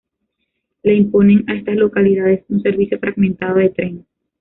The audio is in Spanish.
Le imponen a estas localidades un servicio fragmentado de tren